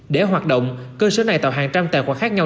để hoạt động cơ sở này tạo hàng trăm tài khoản khác nhau